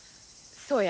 そうや。